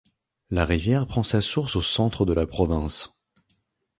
La rivière prend sa source au centre de la province.